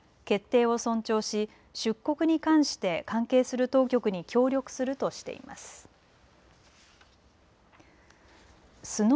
決定を尊重し出国に関して関係する当局に協力するとしています。